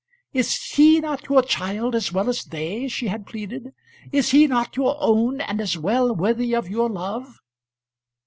"Is he not your child as well as they?" she had pleaded. "Is he not your own, and as well worthy of your love?"